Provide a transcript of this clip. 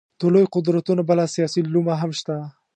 د لویو قدرتونو بله سیاسي لومه هم شته.